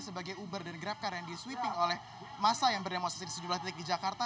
sebagai uber dan grabcar yang di sweeping oleh masa yang berdemonstrasi di sejumlah titik di jakarta